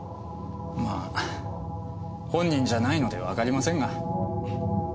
まあ本人じゃないのでわかりませんが。